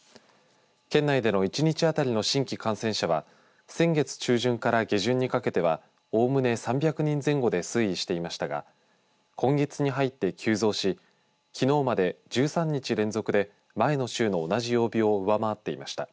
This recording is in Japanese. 県内での１日当たりの新規感染者は先月中旬から下旬にかけてはおおむね３００人前後で推移していましたが今月に入って急増しきのうまで１３日連続で前の週の同じ曜日を上回っていました。